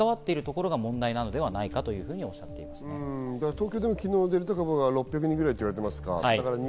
東京でも昨日、デルタ株が６００人ぐらいと言われている。